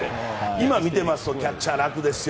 今見ていますとキャッチャー楽ですよ。